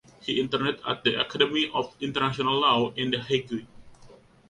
He interned at the Academy of International Law in The Hague.